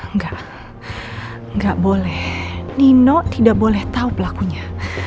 nggak nggak boleh nino tidak boleh tahu pelakunya